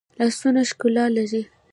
لاسونه ښکلا لري